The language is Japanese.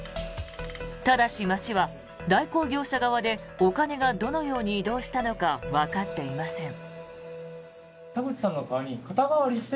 ただし、町は代行業者側でお金がどのように移動したのかわかっていません。